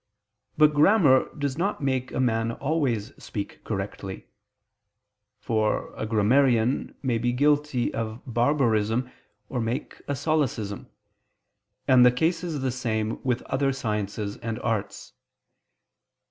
But grammar does not make a man always speak correctly: for a grammarian may be guilty of a barbarism or make a solecism: and the case is the same with other sciences and arts.